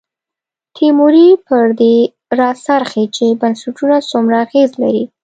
تیوري پر دې راڅرخي چې بنسټونه څومره اغېز لري.